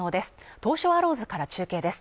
東証アローズから中継です。